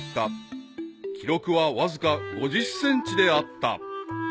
［記録はわずか５０ｃｍであった］